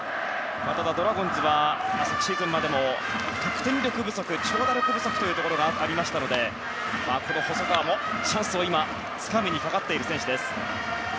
ただドラゴンズは昨シーズンまでも得点力不足長打力不足というところがありましたのでこの細川も、チャンスをつかみにかかっている選手です。